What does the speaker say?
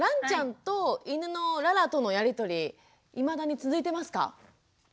ちゃんと犬のララとのやり取りいまだに続いてますか？